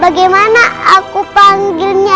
bagaimana aku panggilnya